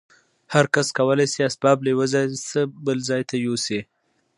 هر کس کولای شي اسباب له یوه ځای بل ته یوسي